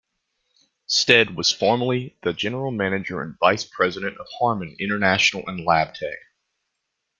Stead was formerly the General Manager and Vice President of Harman International and Labtec.